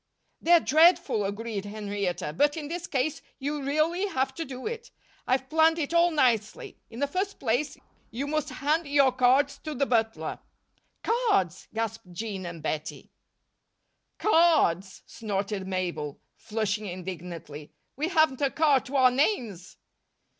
"They're dreadful," agreed Henrietta, "but in this case you'll really have to do it. I've planned it all nicely. In the first place, you must hand your cards to the butler " "Cards!" gasped Jean and Bettie. "Cards!" snorted Mabel, flushing indignantly. "We haven't a card to our names!"